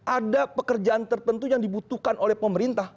ada pekerjaan tertentu yang dibutuhkan oleh pemerintah